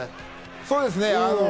そうですね。